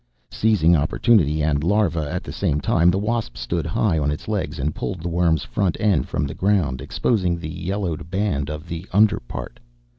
Seizing opportunity and larva at the same time, the wasp stood high on its legs and pulled the worm's front end from the ground, exposing the yellowed band of the underpart.